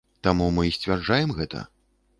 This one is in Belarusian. Таму мы і сцвярджаем гэта!